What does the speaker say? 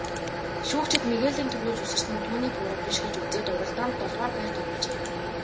Шүүгчид Мигелийн түрүүлж үсэрсэн нь түүний буруу биш гэж үзээд уралдаанд долдугаарт байрт оруулжээ.